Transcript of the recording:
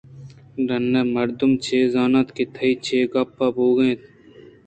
ڈنّءِ مردم چے زانت کہ تہا چے گپ بوئگءَ اِنت